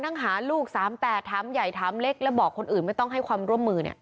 นั่งหาลูก๓๘ถามใหญ่ถามเล็กแล้วบอกคนอื่นไม่ต้องให้ความร่วมมือเนี่ย